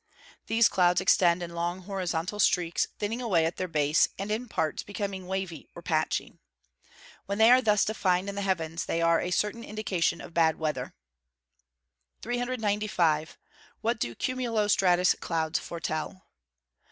These clouds extend in long horizontal streaks, thinning away at their base, and in parts becoming wavy or patchy. When they are thus defined in the heavens they are a certain indication of bad weather. (Fig. 6.) 395. _What do cumulo stratus clouds foretell?